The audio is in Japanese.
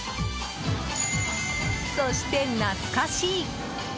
そして懐かしい！